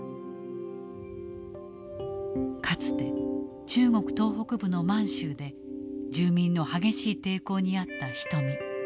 かつて中国東北部の満州で住民の激しい抵抗に遭った人見。